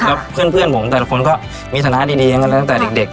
แล้วเพื่อนผมแต่ละคนก็มีฐานะดีอย่างนั้นตั้งแต่เด็ก